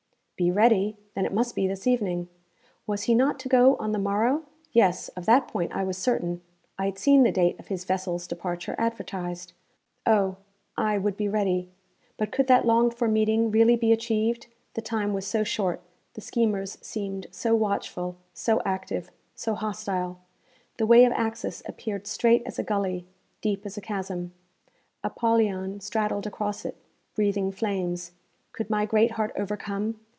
'Be ready!' Then it must be this evening. Was he not to go on the morrow? Yes; of that point I was certain. I had seen the date of his vessel's departure advertised. Oh! I would be ready. But could that longed for meeting really be achieved? The time was so short, the schemers seemed so watchful, so active, so hostile. The way of access appeared strait as a gully, deep as a chasm; Apollyon straddled across it, breathing flames. Could my Greatheart overcome?